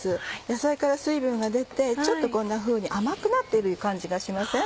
野菜から水分が出てちょっとこんなふうに甘くなっている感じがしません？